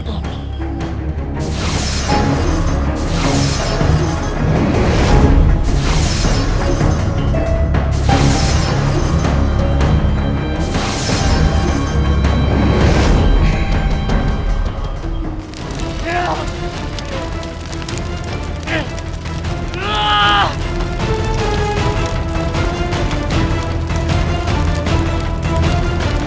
di hidungi tempat ini